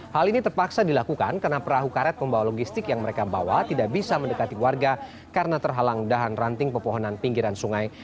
hal ini terpaksa dilakukan karena perahu karet pembawa logistik yang mereka bawa tidak bisa mendekati warga karena terhalang dahan ranting pepohonan pinggiran sungai